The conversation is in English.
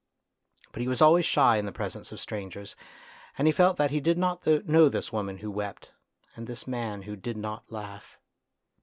But he was always shy in the presence of strangers, and he felt that he did not know this woman who wept and this man who did not laugh.